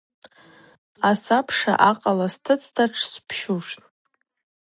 Асабша акъала стыцӏта тшпсщуштӏ.